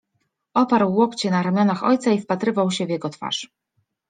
Oparł łokcie na ramionach ojca i wpatrywał się w jego twarz.